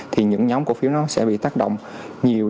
thì những nhóm cổ phiếu nó sẽ bị tác động nhiều